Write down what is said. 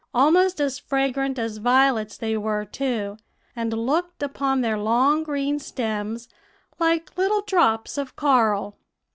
Almost as fragrant as violets they were, too, and looked, upon their long green stems, like little drops of coral.